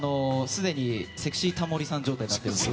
すでにセクシータモリさん状態になっています。